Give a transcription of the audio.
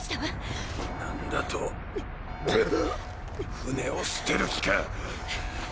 艦を捨てる気か？